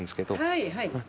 はいはい。